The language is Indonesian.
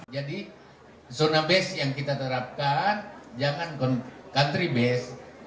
jadi zona base yang kita terapkan jangan country base